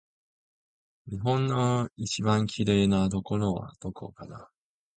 日本の一番きれいなところはどこかな